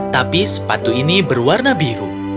tapi sepatu ini berwarna biru